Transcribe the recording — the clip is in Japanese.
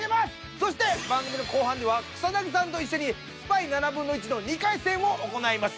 そして番組の後半では草さんと一緒にスパイ７分の１の２回戦を行います。